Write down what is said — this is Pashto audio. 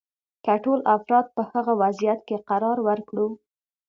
که ټول افراد په هغه وضعیت کې قرار ورکړو.